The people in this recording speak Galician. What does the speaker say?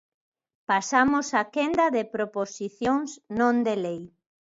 Pasamos á quenda de proposicións non de lei.